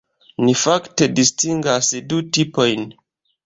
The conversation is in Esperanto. Ni fakte distingas du tipojn.